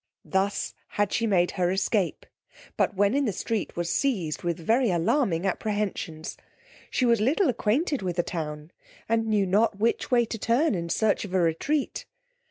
Thus had she made her escape; but, when in the street, was seized with very alarming apprehensions. She was little acquainted with the town, and knew not which way to turn in search of a retreat.